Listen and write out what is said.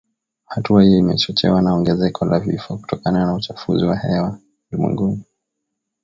Hatua hiyo imechochewa na ongezeko la vifo kutokana na uchafuzi wa hewa ulimwenguni.